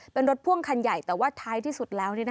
เป็นรถพ่วงคันใหญ่แต่ว่าท้ายที่สุดแล้ว